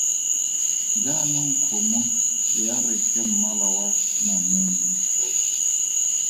Jaanong kgomo ya re ke mmala wa namune.